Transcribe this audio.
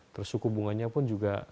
terus suku bunganya pun juga